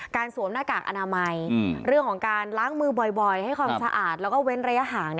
สวมหน้ากากอนามัยเรื่องของการล้างมือบ่อยให้ความสะอาดแล้วก็เว้นระยะห่าง